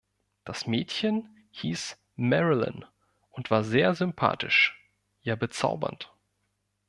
Das Mädchen hieß Marilyn und war sehr sympathisch, ja bezaubernd.